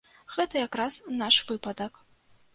Гэта якраз наш выпадак.